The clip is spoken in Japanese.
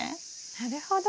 なるほど。